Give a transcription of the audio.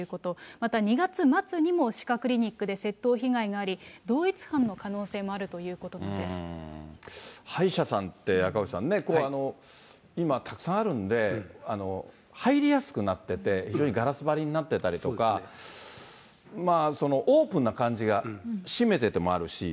また、２月末にも歯科クリニックで窃盗被害があり、同一犯の可能歯医者さんって赤星さんね、今、たくさんあるんで、入りやすくなってて、非常にガラス張りになってたりとか、オープンな感じが、閉めててもあるし。